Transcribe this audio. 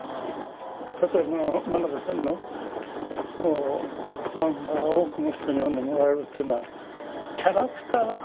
例えば真鍋さんの漫画は多くの人に読んでもらえるってのはキャラクター。